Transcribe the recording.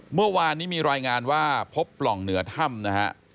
เมื่อวานนี้มีรายงานว่าพบปล่องเหนือถ้ำนะฮะ